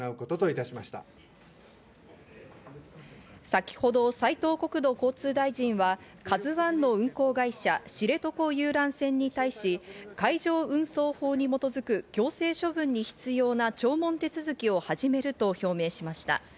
先ほど斉藤国土交通大臣は「ＫＡＺＵ１」の運航会社、知床遊覧船に対し海上運送法に基づく強制処分に必要な聴聞手続きを始めると表明しました。